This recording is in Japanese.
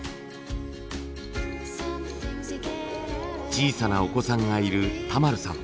小さなお子さんがいる田丸さん。